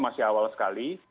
masih awal sekali